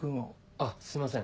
あっすいません